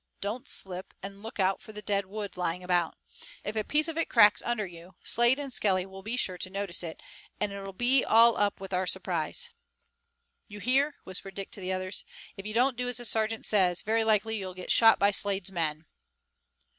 Don't slip, and look out for the dead wood lying about. If a piece of it cracks under you Slade and Skelly will be sure to notice it, and it'll be all up with our surprise." "You hear," whispered Dick to the others. "If you don't do as the sergeant says, very likely you'll get shot by Slade's men."